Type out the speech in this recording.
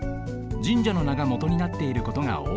神社のながもとになっていることがおおい。